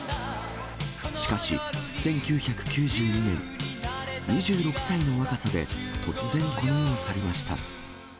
しかし、１９９２年、２６歳の若さで突然、この世を去りました。